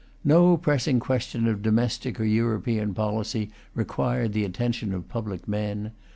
No pressing question of domestic or European policy required the attention of public men.